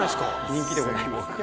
人気でございます。